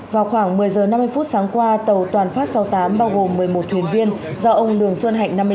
vào khoảng một mươi h năm mươi sáng qua tàu toàn phát sáu mươi tám bao gồm một mươi một thuyền viên do ông lường xuân hạnh